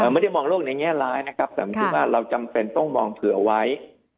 ไม่ได้มองโลกในแง่ร้ายนะครับแต่ผมคิดว่าเราจำเป็นต้องมองเผื่อเอาไว้